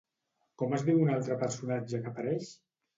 Com es diu un altre personatge que apareix?